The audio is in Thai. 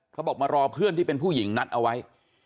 เขาบอกมารอเพื่อนที่เป็นผู้หญิงนัดเอาไว้